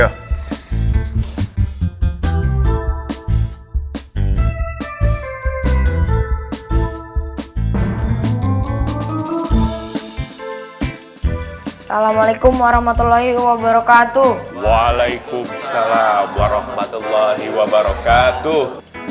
assalamualaikum warahmatullahi wabarakatuh waalaikumsalam warahmatullahi wabarakatuh